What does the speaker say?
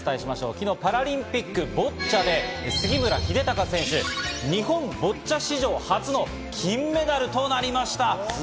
昨日パラリンピック、ボッチャで杉村英孝選手、日本ボッチャ史上初の金メダルとなりました。